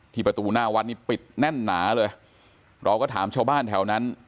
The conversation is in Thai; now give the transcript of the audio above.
ประตูหน้าวัดนี่ปิดแน่นหนาเลยเราก็ถามชาวบ้านแถวนั้น